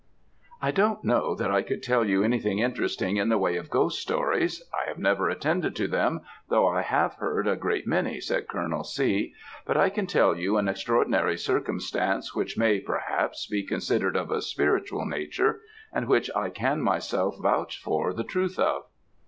"I don't know that I could tell you anything interesting in the way of Ghost Stories; I have never attended to them, though I have heard a great many," said Colonel C.; "but I can tell you an extraordinary circumstance which may, perhaps, be considered of a spiritual nature, and which I can myself vouch for the truth of.